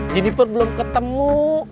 jennifer belum ketemu